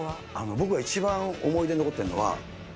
僕が一番思い出に残っているえ！